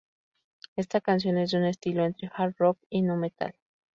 Esta canción es de un estilo entre "hard rock" y "nü metal".